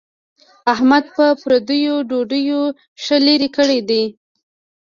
احمد په پردیو ډوډیو ښه لری کړی دی.